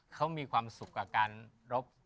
เขามีความสุขกับการรบ